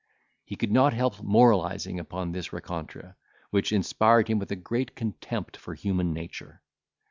He could not help moralising upon this rencontre, which inspired him with great contempt for human nature.